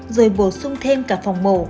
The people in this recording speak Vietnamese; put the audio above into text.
rồi bổ sung thêm cả phòng mổ